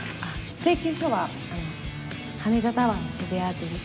請求書は羽田タワーの渋谷宛てに。